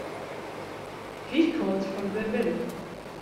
He called for the bill.